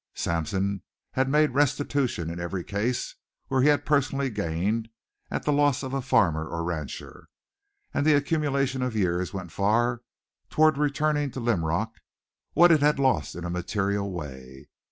Sampson had made restitution in every case where he had personally gained at the loss of farmer or rancher; and the accumulation of years went far toward returning to Linrock what it had lost in a material way.